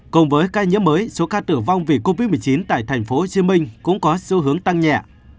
cùng với ca nhớ mới số ca tử vong vì covid một mươi chín tại thành phố hồ chí minh cũng có xu hướng tăng nhẹ